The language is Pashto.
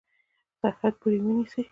سرحد پوري ونیسي.